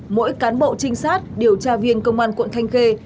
mỗi cán bộ trinh sát điều tra viên công an quận thanh khê